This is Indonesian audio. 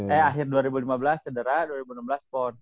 eh akhir dua ribu lima belas cedera dua ribu enam belas pon